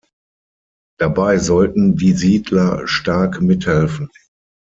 Dabei sollten die Siedler stark mithelfen.